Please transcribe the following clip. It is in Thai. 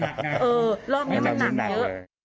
รอบนี้มันหนักเยอะ